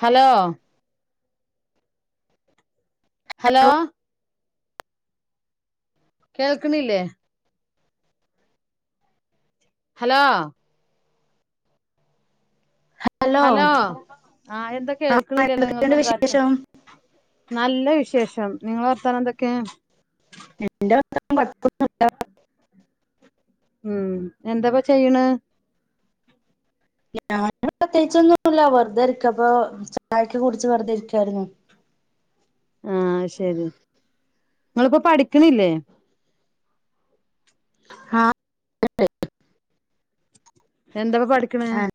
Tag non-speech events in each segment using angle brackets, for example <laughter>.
Hello... hello..... കേൾക്കണില്ലേ? Hello...... <inaudible> hello ആഹ എന്തൊക്കെ ആ എൾക്കണില്ലല്ലോ നിങ്ങൾ എന്തൊക്കെയുണ്ട് സംസാരിക്കുന്നത്? വിശേഷം നല്ല വിശേഷം. പക്ഷം നിങ്ങള് വർത്താനം എന്തൊക്കെയാ? വ <unintelligible> ഉം എന്തൊക്കെ ചെയ്യണ്? ഞാന് പ്രത്യേകിച്ചൊന്നുംല്ല വെറുതെ ഇരിക്ക അപ്പൊ ചായക്കെ കുടിച്ച് വെറുതെ ഇരിക്കായിരുന്നു. ആഹ! ശരി നിങ്ങളിപ്പോ പഠിക്കണില്ലേ? ആഹ <inaudible> എന്താവാ പഠിക്കണേ? ആഹ്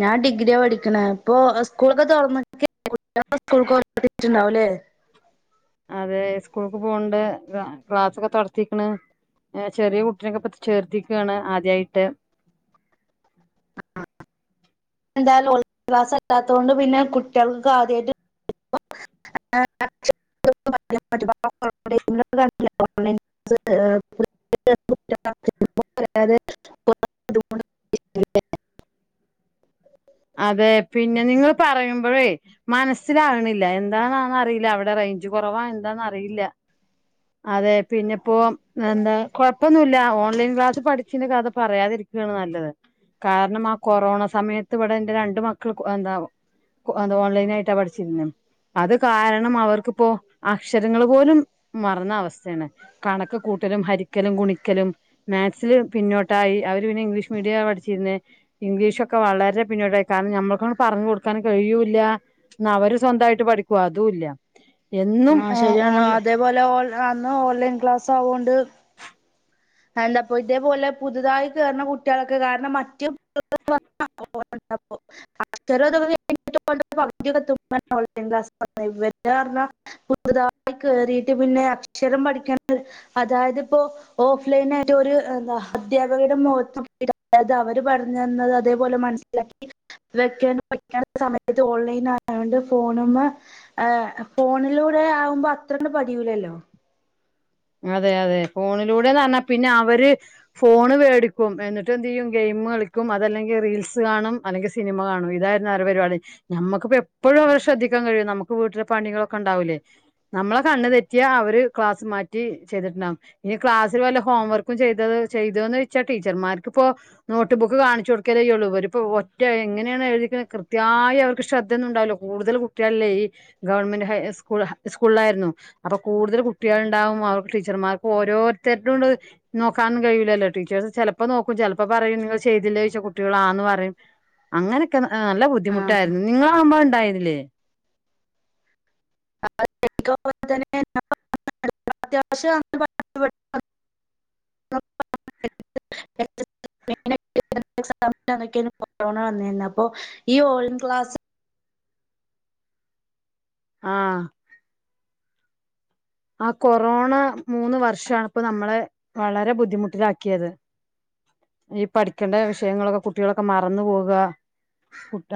ഞാൻ ഡിഗ്രിയ പഠിക്കണ ഇപ്പൊ സ്കൂളൊക്കെ തുറന്നക്ക സ്കൂൾ കൊത്തിട്ടുണ്ടാവല്ലേ? അതെ സ്ക്കൂള്ക്ക് പോകണ്ട് ക്ലാ ക്ലാസ്സൊക്കെ തൊടത്തിക്കണ് ചെറിയ കുട്ടിനൊക്കെ പ്പ ചേർത്തിക്കാണ് ആദ്യായിട്ട് എന്തായാലും ഓൺലൈൻ ക്ലാസ് അല്ലാത്തൊണ്ട് പിന്നെ കുട്ടികൾക്ക് ആദ്യയിട്ട് <unintelligible> അതെ പിന്നെ നിങ്ങള് പറയുമ്പോഴേ മനസ്സിലാവണില്ല എ ന്താന്നന്നറില്ല അവിടെ റേഞ്ച് കൊറവാ എന്താ അറിയില്ല അതെ പിന്നെപ്പോ എന്താ കൊഴപ്പൊന്നൂല്ല ഓൺലൈൻ ക്ലാസ് പഠിച്ചിന കഥ പറയാതിരിക്കാണ് നല്ലത് കാരണം ആ കൊറോണ സമയ ത്ത് ഇവടെ എന്റെ രണ്ട് മക്കൾ എന്താ എന്താ ഓൺലൈനായിട്ടാ പഠിച്ചിരുന്നെ അത് കാരണം അവർക്കിപ്പോ അക്ഷരങ്ങള് പോലും മറന്ന അവസ്ഥയാണ് കണക്ക് കൂട്ടലും ഹരിക്കലും ഗുണിക്കലും മാത്ത്സില് പിന്നോട്ടായി അവര് പിന്നെ ഇംഗ്ലീഷ് മീഡിയ പഠിച്ചിരുന്നത് ഇംഗ്ലീഷൊക്കെ വളരെ പിന്നോട്ടായി കാരണം ഞമ്മക്കൊന്ന് പറഞ്ഞ് കൊടുക്കാൻ കഴിയൂല്ല എന്ന അവര് സ്വന്തമായിട്ട് പഠിക്കുവോ അതൂവില്ല ആഹ് ശെരിയാണ് അതേപോലെ ഓൺ <unintelligible> അന്ന് ഓൺലൈൻ ക്ലാസ് ആവോണ്ട് എന്താപ്പോ ഇതേപോലെ പുതുതായി കേറുന്ന കുട്ടികളൊക്കെ കാരണം മറ്റേ <unintelligible> ഇവര് ന്ന്റഞ്ഞാ പുതുതായി കേറിട്ട് പിന്നെ അക്ഷരം പഠിക്കുന്നത് അതായത് ഇപ്പോ ഓ ലൈൻ ആയിട്ടൊരു എന്താ അധ്യാപകരുടെ മോകത്ത് നോക്കിട്ട് അതായത് അവര് പറഞ്ഞു തന്നത് അതേപോലെ മനസ്സിലാക്കി <unintelligible> പഠിക്കണ സമയത്ത് ഓൺലൈൻ ആയോണ്ട് ഫോണ് മേ ഫോണിലൂടെ ആവുമ്പോ അത്രങ്ങട്ട് പതിയൂലല്ലോ അതെ അതെ ഫോണിലൂടെന്ന് പറഞ്ഞാ പിന്നെ അവര് ഫോണ് വേടിക്കും എന്നിട്ട് എന്ത് ചെയ്യും ഗെയിം കളിക്കും അതല്ലെങ്കിൽ റീൽസ് കാണും അല്ലെങ്കിൽ സിനിമ കാണും ഇതായിരുന്നു അവരുടെ പരിപാടി ഞമ്മക്കിപ്പോ എപ്പോഴും അവരെ ശ്രദ്ധിക്കാൻ കഴിയുവോ നമുക്ക് വീട്ടിലെ പണികളൊക്കെ ഒണ്ടാവില്ലേ നമ്മളെ കണ്ണ് തെറ്റിയാ അവര് ക്ലാസ് മാ റ്റി ചെയ്തിട്ടുണ്ടാവും ഇനി ക്ലാസ്സി വല്ല ഹോം വർക്കും ചെയ്തത് ചെയ്തോന്ന് ചെയ്ച്ചാ ടീച്ചർമാർക്കിപ്പോ നോട്ട് ബുക്ക് കാണിച്ചു കൊടുക്കലെയുള്ളൂ ഇവരിപ്പോ ഒറ്റ എങ്ങനെയാണ് എഴുതിക്ക്ണ് കൃത്യവായി അവർക്ക് ശ്രദ്ധ ഒന്നുംണ്ടാവുല്ല കൂടുതല് കുട്ടികളല്ലേ ഈ ഗവൺമെന്റ് ഹൈ സ്കൂ സ്കൂളിലാരുന്നു അപ്പോ കൂടുതല് കുട്ടികൾ ഇണ്ടാവും അവർക്ക് ടീച്ചർമാർക്ക് ഓരോരുത്തരുടെയും നോക്കാനൊന്നും കഴിയു ലല്ലോ ടീച്ചേസ് ചെലപ്പോ നോക്കും ചെലപ്പോ പറയും നിങ്ങൾ ചെയ്തില്ല ചോയിച്ചാ കുട്ടികൾ ആന്ന് പറയും അങ്ങനെയൊക്കെ നല്ല ആ ബുദ്ധിമുട്ടാരുന്നു നി <unintelligible> ഒണ്ടായതില്ലേ <unintelligible> കൊറോണ വന്നെന്ന് അപ്പോ ഈ ഓൺലൈൻ ക്ലാസ് ആഹ് ആ കൊറോണ മൂന്ന് വർഷവാണ് ഇപ്പോ നമ്മളെ വളരെ ബുദ്ധിമുട്ടിലാക്കിയത് ഈ പഠിക്കേണ്ട വിഷയങ്ങളൊക്കെ കുട്ടികളൊക്കെ മറന്നു പോവുകാ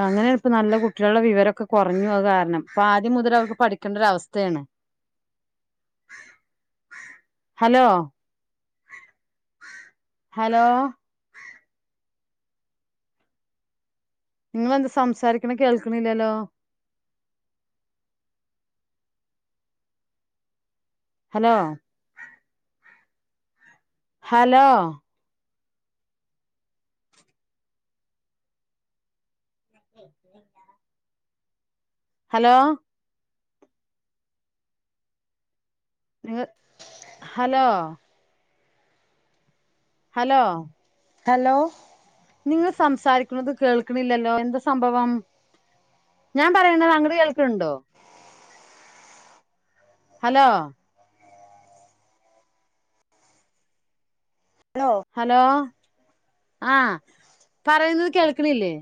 അങ്ങനെ ഇപ്പ നല്ല കുട്ടികളുടെ വിവരമൊക്കെ കൊറഞ്ഞു അത് കാരണം അപ്പ ആദ്യം മുതൽ അവർക്ക് പഠിക്കേണ്ട അവസ്ഥയാണ്. ഹലോ ഹലോ നിങ്ങളെന്താ സംസാരിക്കണേ കേൾക്കണില്ലല്ലോ ഹലോ ഹലോ ഹലോ നിങ്ങ് ഹലോ ഹലോ ഹലോ നിങ്ങൾ സംസാരിക്കുന്നത് കേൾക്കണില്ലല്ലോ എന്താ സംഭവം ഞാൻ പറയുന്നത് അങ്ങട് കേൾക്കണണ്ടോ ഹലോ ഹലോ ആഹ് പറയുന്നത് കേൾക്കണില്ലേ